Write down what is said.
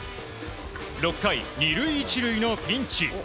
６回、２塁１塁のピンチ。